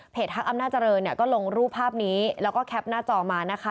ฮักอำนาจเจริญเนี่ยก็ลงรูปภาพนี้แล้วก็แคปหน้าจอมานะคะ